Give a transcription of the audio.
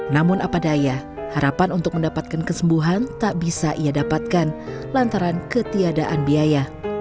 namun apa daya harapan untuk mendapatkan kesembuhan tak bisa ia dapatkan lantaran ketiadaan biaya